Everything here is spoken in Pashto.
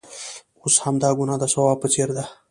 اوس همدا ګناه د ثواب په څېر ده.